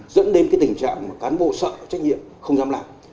dẫn đến tình trạng cán bộ sợ trách nhiệm không dám làm